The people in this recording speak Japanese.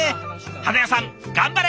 花屋さん頑張れ！